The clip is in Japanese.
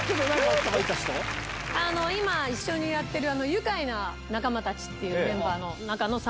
今一緒にやってる。